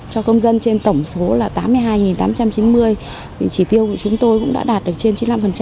cho công dân trên tổng số là tám mươi hai tám trăm chín mươi chỉ tiêu của chúng tôi cũng đã đạt được trên chín mươi năm